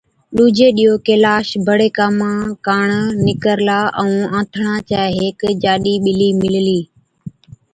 ڏُوجي ڏِيئو ڪيلاش بڙي ڪاما ڪاڻ نِڪرلا ائُون آنٿڻان چَي هيڪ جاڏِي ٻلِي مِللِي۔